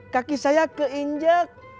kaki saya keinjek